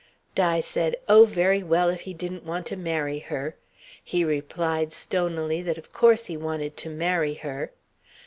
Di said, oh very well, if he didn't want to marry her. He replied stonily that of course he wanted to marry her.